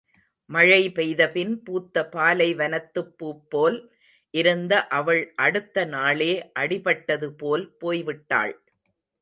மழை பெய்தபின் பூத்த பாலைவனத்துப் பூப்போல் இருந்த அவள் அடுத்த நாளே அடிபட்டதுபோல் போய்விட்டாள்.